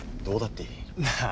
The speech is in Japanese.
どうだっていい。